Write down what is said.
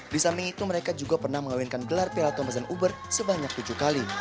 di samping itu mereka juga pernah mengawinkan gelar piala thomasan uber sebanyak tujuh kali